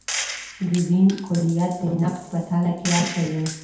د دین کُلیت د نقد په تله کې اچوي.